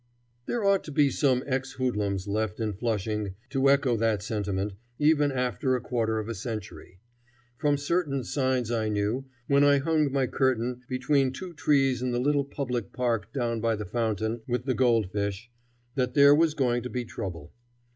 There ought to be some ex hoodlums left in Flushing to echo that sentiment, even after a quarter of a century. From certain signs I knew, when I hung my curtain between two trees in the little public park down by the fountain with the goldfish, that there was going to be trouble.